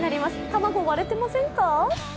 卵、割れてませんか？